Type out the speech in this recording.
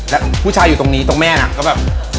แล้วผู้ชายอยู่ตรงนี้ตรงแม่นะ